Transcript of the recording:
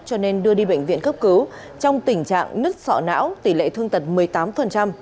cho nên đưa đi bệnh viện cấp cứu trong tình trạng nứt sọ não tỷ lệ thương tật một mươi tám